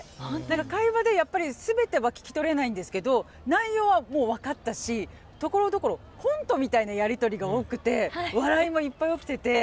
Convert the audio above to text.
会話でやっぱり全ては聞き取れないんですけど内容はもう分かったしところどころコントみたいなやり取りが多くて笑いもいっぱい起きてて。